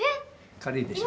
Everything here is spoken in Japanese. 軽いでしょ。